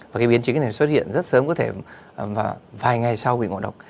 và cái biến chứng cái này xuất hiện rất sớm có thể vài ngày sau bị ngộ độc